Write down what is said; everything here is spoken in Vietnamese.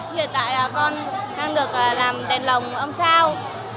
hiện tại con đang được làm đèn lồng ông sao